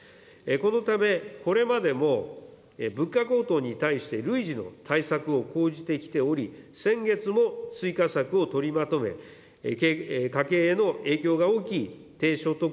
このため、これまでも物価高騰に対して、累次の対策を講じてきており、先月も追加策を取りまとめ、家計への影響が大きい低所得